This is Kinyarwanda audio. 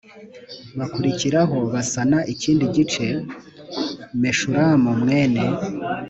Bakurikiraho basana ikindi gice meshulamu mwene